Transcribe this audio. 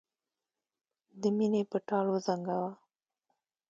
د مینې په ټال وزنګاوه.